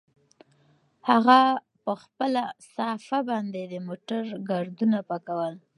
هغه په خپله صافه باندې د موټر ګردونه پاکول.